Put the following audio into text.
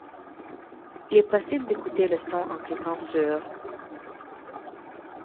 Il est possible d'écouter le son en cliquant sur ♫.